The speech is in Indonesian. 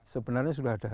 sebenarnya sudah ada